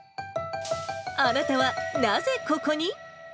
あなたはなぜここに？